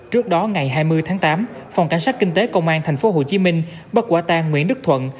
trước đó ngày hai mươi tháng tám phòng cảnh sát kinh tế công an tp hcm bắt quả tang nguyễn đức thuận